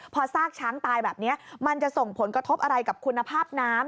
พอซากช้างตายแบบนี้มันจะส่งผลกระทบอะไรกับคุณภาพน้ำ